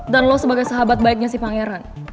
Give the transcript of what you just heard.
dan lo sebagai sahabat baiknya si pangeran